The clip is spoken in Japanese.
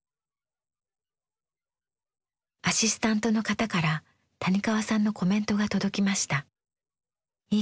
アシスタントの方から谷川さんのコメントが届きました。